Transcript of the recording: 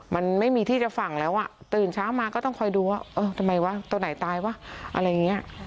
มันไม่มีที่จะฝั่งแล้วอ่ะตื่นเช้ามาก็ต้องคอยดูว่าเออทำไมวะตัวไหนตายวะอะไรอย่างนี้